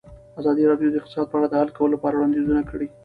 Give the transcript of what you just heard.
ازادي راډیو د اقتصاد په اړه د حل کولو لپاره وړاندیزونه کړي.